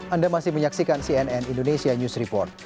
anda masih menyaksikan cnn indonesia news report